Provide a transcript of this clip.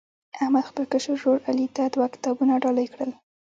احمد خپل کشر ورر علي ته دوه کتابونه ډالۍ کړل.